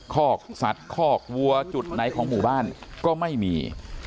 คอกสัตว์คอกวัวจุดไหนของหมู่บ้านก็ไม่มี